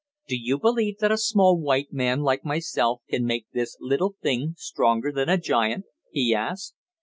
Do you believe that a small white man like myself can make this little thing stronger than a giant?" he asked.